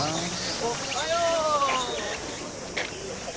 おっはよう。